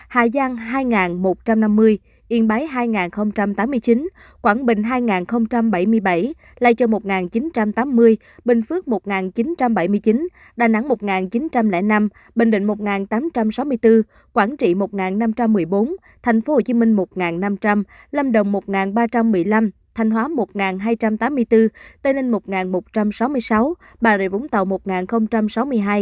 hải giang hai một trăm năm mươi yên bái hai tám mươi chín quảng bình hai bảy mươi bảy lại châu một chín trăm tám mươi bình phước một chín trăm bảy mươi chín đà nẵng một chín trăm linh năm bình định một tám trăm sáu mươi bốn quảng trị một năm trăm một mươi bốn thành phố hồ chí minh một năm trăm linh lâm đồng một ba trăm một mươi năm thành hóa một hai trăm tám mươi bốn tây ninh một một trăm sáu mươi sáu bà rịa vũng tàu một sáu mươi hai đắk lâm hai